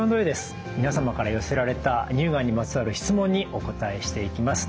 皆様から寄せられた乳がんにまつわる質問にお答えしていきます。